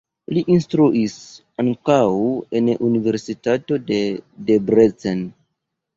Li instruis ankaŭ en Universitato de Debrecen.